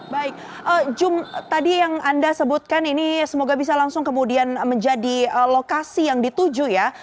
baik jum tadi yang anda sebutkan ini semoga bisa langsung kemudian menjadi lokasi yang dituju ya